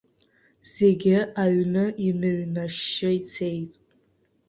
Зегьы аҩны иныҩнашьшьы ицеит.